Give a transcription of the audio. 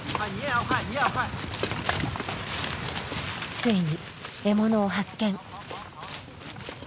ついに獲物を発見。